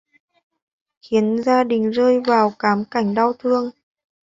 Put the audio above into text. Khiến gia đình rơi vào cám cảnh đau thương